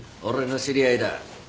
俺の知り合いだ。